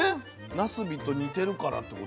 なすびと似てるからってことかな？